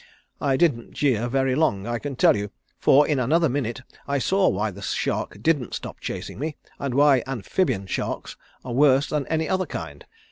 I didn't jeer very long I can tell you, for in another minute I saw why the shark didn't stop chasing me, and why Amphibian sharks are worse than any other kind.